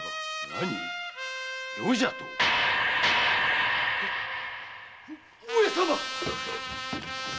なに「余」じゃと⁉上様！